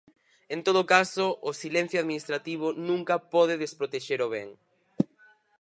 En todo caso, o silencio administrativo nunca pode desprotexer o ben.